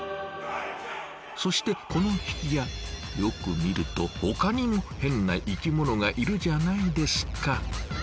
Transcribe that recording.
そしてこの挽家よく見るとほかにもヘンな生きものがいるじゃないですか。